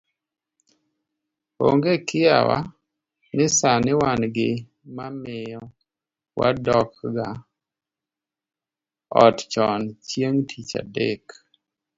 Onge kiawa ni sani wan gi mamiyo wadokga ot chon chieng' tich adek